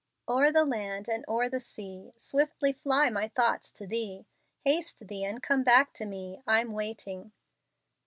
"O'er the land and o'er the sea Swiftly fly my thoughts to thee; Haste thee and come back to me: I'm waiting.